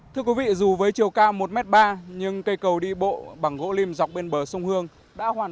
thưa quý vị dù với chiều cao một m ba nhưng cây cầu đi bộ bằng gỗ lim dọc bên bờ sông hương đã hoàn